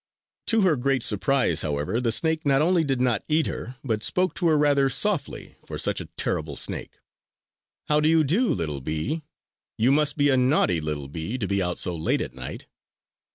To her great surprise, however, the snake not only did not eat her, but spoke to her rather softly for such a terrible snake: "How do you do, little bee? You must be a naughty little bee, to be out so late at night!"